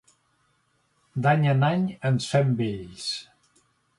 D'any en any ens fem vells.